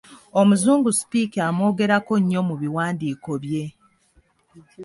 Omuzungu Speke amwogerako nnyo mu biwandiiko bye.